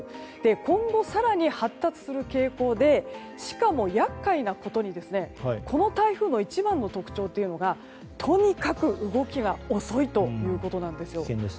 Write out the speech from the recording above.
今後、更に発達する傾向でしかも厄介なことにこの台風の一番の特徴というのがとにかく動きが遅いということなんですよ。